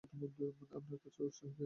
আপনার কাজে উৎসাহ পেয়েছি।